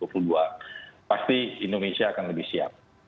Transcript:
pasti indonesia akan lebih siap